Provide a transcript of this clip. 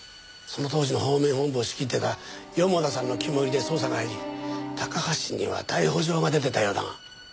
その当時の方面本部を仕切ってた四方田さんの肝煎りで捜査が入りタカハシには逮捕状が出てたようだが。